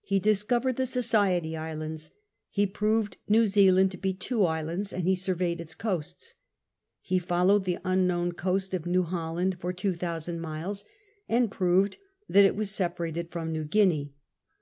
He discovered the Society Islands; he proved New Zealand to be two islands and he surveyed its coasts ; he followed the un known coast of New Holland for two thousand miles and proved that it was separated from New Guinea ; he CHAP.